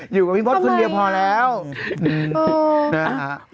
อยู่กับพี่บ๊อตคืนเดียวพอแล้วเออนะฮะ